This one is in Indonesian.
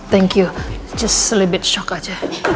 hanya sedikit syok saja